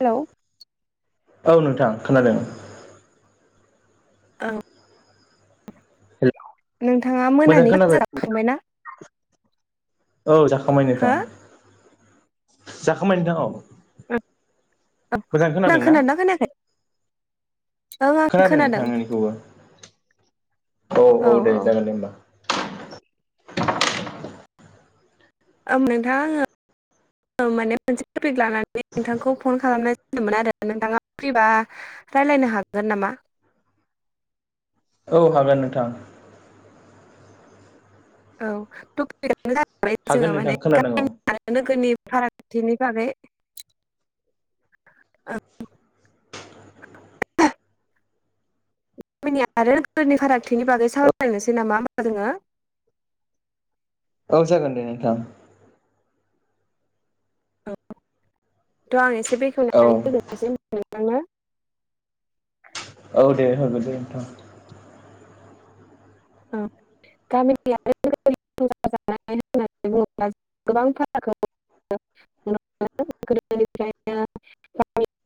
Hello औ नोंथां खोनादों। औ [unintelligible] नोंथाङा मोजां मोनानि [unintelligible] खोनाबाय जाखांबायना औ जाखांबाय हो नोंथां। जाखांबाय नोंथां औ। मोजां [unintelligible] खोनादों ना खोनादोंना खोनायाखै ओं आं नोंथां खोनादों। नोंनिखौबो औ औ दे जागोन दे होमबा ओम नोंथां आङो औ माने मोनसे टपिक लानानै नोंथांखौ फन खालामनाय जादोंमोन आरो नोंथाङा फ्रिबा रायलायनो हागोन नामा औ हागोन नोंथां। औ [unintelligible] आरो हागोन नोंथां खोनादों औ नोगोरनि फारागथिनि बागै गामिनि आरो नोगोरनि फारागथिनि बागै सावरायलायनोसै नामा ओमबा जोङो। औ जागोन दे नोंथां। औ थ' आं एसे औ बेखेवनानै [unintelligible] औ दे होगोरदो नोंथां। [unintelligible] [unintelligible] [unintelligible] [unintelligible]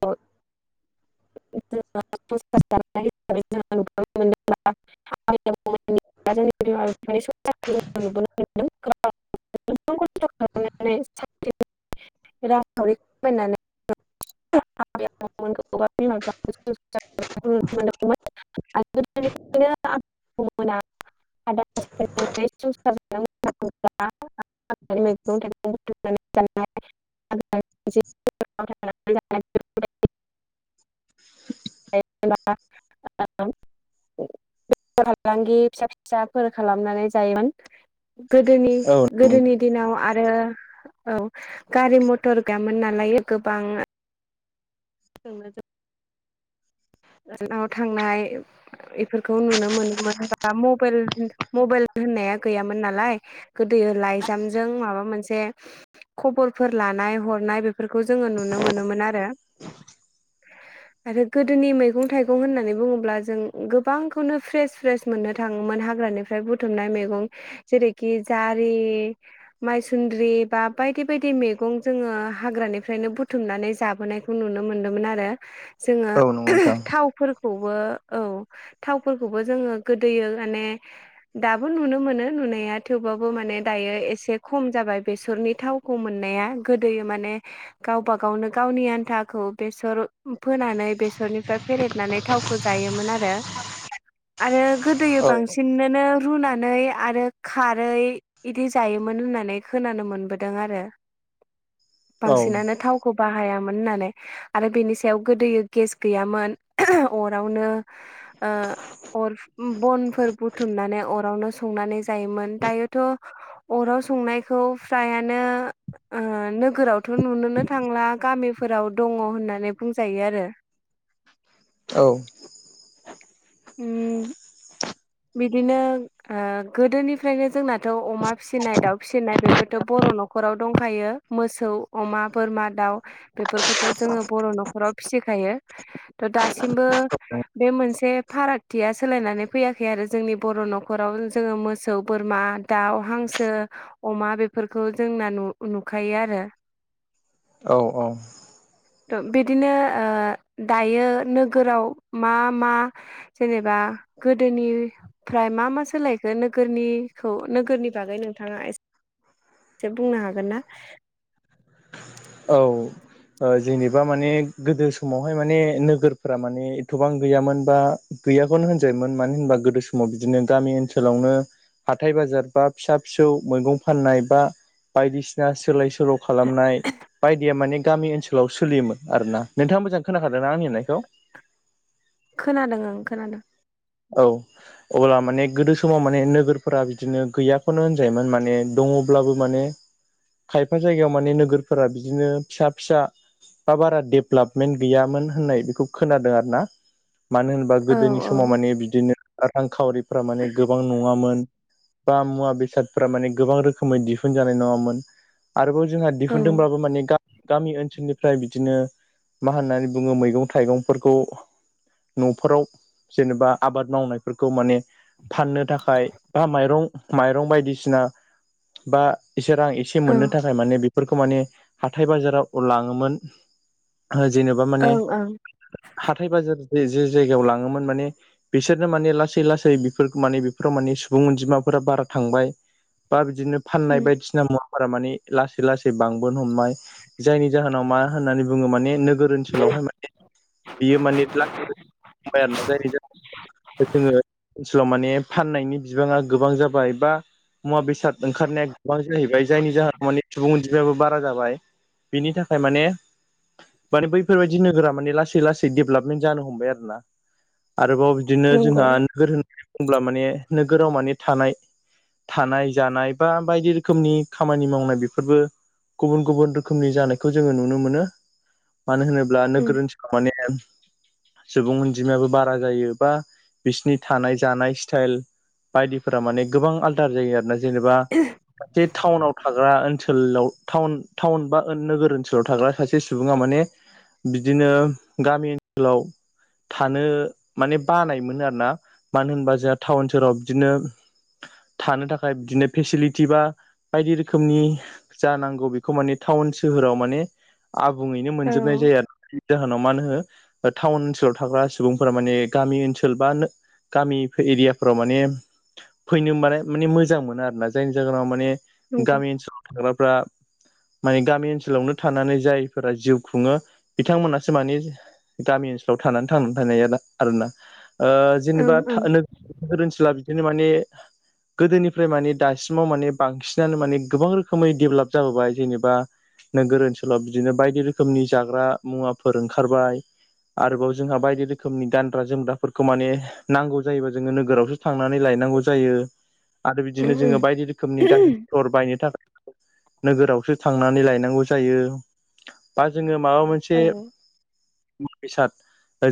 [unintelligible] [unintelligible] [unintelligible] [unintelligible] [unintelligible] [unintelligible] [unintelligible] हाग्रानि [unintelligible] [unintelligible] [unintelligible] फालांगि फिसा फिसाफोर खालामनानै जायोमोन गोदोनि औ नंगौ गोदोनि दिनाव आरो औ गारि मथर गैयामोन नालाय गोबां [unintelligible] गोजानाव थांनाय इफोरखौ नुनो मोनोमोन बा मबेल मबेल होननाया गैयामोन नालाय गोदोयो लाइजामजों माबा मोनसे खबरफोर लानाय हरनाय बेफोरखौ जोङो नुनो मोनोमोन आरो। आरो गोदोनि मै गं थाइगं होननानै बुङोब्ला जों गोबांखौनो फ्रेस फ्रेस मोननो थाङोमोन हाग्रानिफ्राय बु बुथुमनाय मैगं जेरैखि जारि मायसुन्द्रि बा बायदि बायदि मैगं जोङो हाग्रानिफ्रायनो बुथुमनानै जाबोनाय खौ नुनो मोनदोंमोन आरो औ नंगौ नोंथां जोङो थावफोरखौबो औ थावफोरखौबो जोङो गोदोयो माने दाबो नुनो मोनो नुनाया थेवबाबो माने दायो एसे खम जाबाय बेसरनि थाव मोननाया गोदोयो माने गावबा गावनो गावनि आन्थाखौ बेसर फोनानै बेसरनिफ्राय फेरेदनानै थावखौ जायोमोन आरो आरो गोदोयो औ बांसिन बांसिननोनो रुनानै आरो खारै इदि जायोमोन होननानै खोनानो मोनबोदों आरो बांसिनानो थाव खौ बाहायामोन होननानै आरो बेनि सायाव गोदोयो गेस गैयामोन अरावनो ओ अर बनफोर बुथुमनानै अरावनो संनानै जायोमोन दायोथ' अराव संनायखौ फ्रायानो ओ नोगोरावथ' नुनोनो थांला गामिफोराव दङ होननानै बुंजायो आरो। औ। [inaudible] बिदिनो ओ गोदोनिफ्रायनो जोंनाथ' अमा फिसिनाय दाउ फिसिनाय बेफोरथ' बर' न'खराव दंखायो। मोसौ अमा बोरमा दाउ बेफोरखौथ' जोङो बर' न'खराव फिसिखायो। थ' दासिमबो बे मोनसे फारागथिया सोलायनानै फैया खै आरो जोंनि बर' न'खराव जोङो मोसौ बोरमा दाउ हांसो अमा बेफोरखौ जोंना नु-नुखायो आरो। औ औ। बिदिनो ओ दायो नोगोराव मा मा जेनेबा गो गोदोनिफ्राय मा मा सोलायखो नोगोरनिखौ नोगोरनि बागै नोंथाङा एसे से बुंनो हागोन ना? औ। जेनेबा माने गोदो समावहाय माने नोगोरफोरा माने एथ'बां गैयामोन बा गैयाखौनो होनजायोमोन मानो होनबा गोदो समाव बिदिनो गामि ओनसोलावनो हाथाय बाजार बा फिसा फिसौ मैगं फाननाय बा बायदिसिना सोलाय सोल' खालामनाय बायदिया माने गामि ओनसोलाव सोलियोमोन आरोना नोंथाङा मोजाङै खोनाखादोंना आंनि होननायखौ? खोनादों ओं खोनादों। औ। अब्ला माने गोदो समाव माने नोगोरफोरा बिदिनो गैयाखौनो होनजायोमोन माने दङब्लाबो माने खायफा जायगायाव माने नोगोरफोरा बिदिनो फिसा फिसा बा बारा डेभलपमेन्ट गैयामोन होननाय बेखौ खोनादों आरोना। मानो होनबा औ गोदोनि औ समाव माने बिदिनो रांखावरिफ्रा माने गोबां नङामोन। बा मुवा बेसादफोरा माने गोबां रोखोमै दिहुनजानाय नङामोन आरोबाव जोंहा ओं दिहुनदोंब्लाबो माने गा गामि ओनसोलनिफ्राय बिदिनो मा होननानै बुङो मैगं थाइगंफोरखौ न'फोराव जेनेबा आबाद मावनायफोरखौ माने फाननो थाखाय बा माइरं माइरं बायदिसिना बा एसे रां एसे ओं मोननो था खाय माने बेफोरखौ माने हाथाय बाजाराव लाङोमोन। जेनेबा माने ओं ओं हाथाय बाजार जे जे जायगायाव लाङोमोन माने बिसोरनो माने लासै लासै बेफोर माने बेफोराव माने सुबुं अनजिमाफोरा बारा थांबाय बा बिदिनो फाननाय बायदिसिना मुवा बारा माने लासै लासै बांबोनो हमबाय जायनि जाहोनाव मा होननानै बुङो माने नोगोर ओनसोलावहाय माने बियो माने [unintelligible] जायनि जा [inaudible] जोङो ओनसोलाव माने फाननायनि बिबाङा गोबां जाबाय बा मुवा बेसाद ओंखारनाया गोबां जाहैबाय जायनि जाहोनाव माने सुबुं अनजि [unintelligible] बारा जाबाय। बिनि थाखाय माने माने बैफोरबायाददि नोगोरा माने लासै लासै डेभलपमेन्ट जानो हमबाय आरो ना। आरोबाव बिदिनो नंगौ जोंहा नोगोर होननानै बुङोब्ला माने नोगोराव माने थानाय थानाय जानाय बा बायदि रोखोमनि खामानि मावनाय बेफोरबो गुबुन गुबुन रोखोमनि जानायखौ जोङो नुनो मोनो मानो होनो ब्ला औ नोगोर ओनसोलाव माने सुबुं अनजिमायाबो बारा जायो। बा बिसिनि थानाय जानाय स्टाइल बायदिफोरा माने गोबां आल दा जायो आरो ना जेनेबा सासे टाउनाव थाग्रा ओनसोलाव टाउन टाउन बा नोगोर ओनसोलाव थाग्रा सासे सुबुङा माने बिदिनो गामि ओनसोलाव थानो माने बानाय मोनो आरो ना मानो होनबा जोंहा टाउन सहोराव बिदिनो थानो थाखाय बिदिनो फेसिलिटि बा बायदि रोखोमनि जानांगौ बेखौ माने टाउन सोहोराव माने आबुङैनो मोनजोबनाय जायो आरोना जाहोनाव मा होनो टाउन ओनसोलाव थाग्रा सुबुंफोरा माने गामि ओनसोल बा नो- गामि एरियाफ्राव माने फैनोबालाय माने मोजां मोनो आरो ना जायनि जाहोनाव माने नंगौ गामि ओनसोलाव थाग्राफ्रा मानि गामि ओनसोलावनो थानानै जायफोरा जिउ खुङो बिथांमोनासो माने गामि ओनसोलाव थानानै थांनानै थानाय आरो आरोना ओं जेनेबा ओं नो गोर ओनसोला बिदिनो माने गोदोनिफ्राय माने दासिमाव माने बांसिनानो माने गोबां रोखोमै डेभेलप जाबोबाय जेनेबा नोगोर ओनसोलाव बिदिनो बायदि रोखोमनि जाग्रा मुवाफोर ओंखारबाय। आरोबाव जोंहा बायदि रोखोमनि दान जोमग्राफोरखौ माने नांगौ जायोबा जोङो नोगोरावसो थांनानै लायनांगौ जायो। आरो बिदिनो जोङो ओम बायदि रोखोमनि गारि मथर बायनो थाखाय नोगोरावसो थांनानै लायनांगौ जायो बा जोङो माबा मोनसे ओम मुवा बेसाद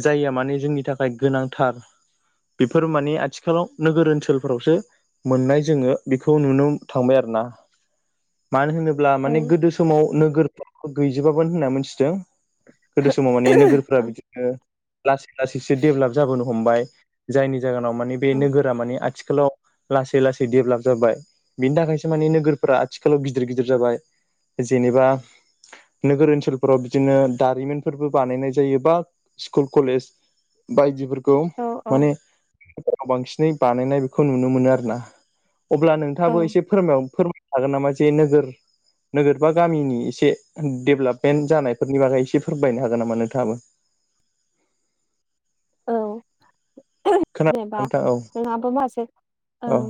जायो माने जोंनि थाखाय गोनांथार बेफोर माने आथिखालाव नोगोर ओनसोलफोरावसो मोननाय जोङो बेखौ नुनो थांबाय आरो ना मानो होनो अब्ला औ माने गोदो समाव नोगोरफ्रो गैजोबाबोन होनना मिथिदों गोदो समाव माने नोगोरफोरा औ बिदिनो लासै लासैसो डेभेलप जाबोनो हमबाय। जायनि जाहोनाव माने बे औ नोगोरा मानि आथिखालाव लासै लासै देभेलप जाबाय बिनि थाखायसो माने नोगोरफोरा आथिखालाव गिदिर गिदिर जाबाय। जेनेबा नोगोर ओनसोलफोराव बिदिनो दारिमिनफोरबो बानायनाय जायो बा स्कुल कलेज बायदिफोरखौ औ माने [unintelligible] बांसिनै बानायनाय बेखौ नुनो मोनो आरोना अब्ला औ नोंथाङाबो एसे फोरमाय फोरमायनो हागोन नामा जे नोजोर नोगोर बा गामिनि एसे डेभेलपमेन्ट जानायफोरनि बागै एसे फोरमायनो हागोन नामा नोंथाङाबो? औ खोनादों जेनेबा नोंथां औ नोंहाबो माखासे औ ओं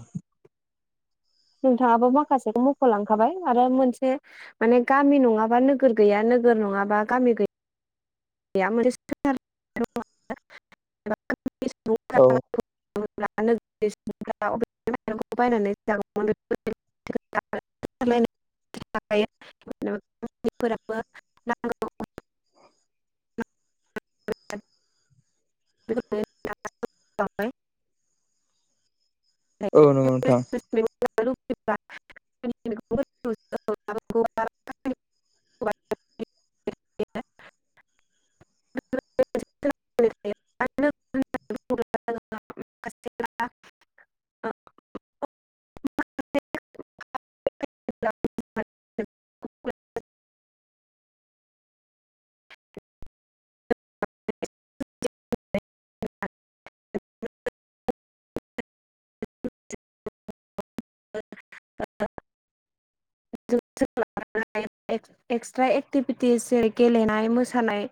नोंथाङाबो माखासेखौ मख'लांखाबाय आरो मोनसे माने गामि नङाबा नोगोर गैया नोगोर नङाबा गामि गै [unintelligible] औ [unintelligible] [unintelligible] [unintelligible] फोराबो नांगौ [unintelligible] औ नंगौ नोंथां। [unintelligible] [unintelligible] [unintelligible] [unintelligible] [unintelligible] [unintelligible] [unintelligible] एक्सट्रा एक्टिभिटिस जेरै गेलेनाय मोसानाय